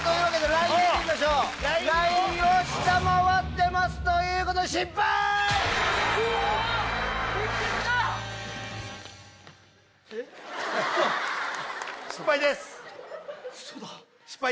ラインを下回ってますということで、失敗。